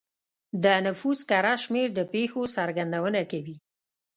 د نفوس کره شمېر د پېښو څرګندونه کوي.